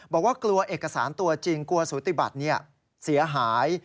บอกว่ากลัวเอกสารตัวจริงกลัวสูติบัติเสียหาย